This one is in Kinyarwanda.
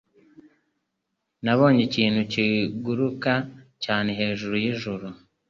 Nabonye ikintu kiguruka cyane hejuru yijuru.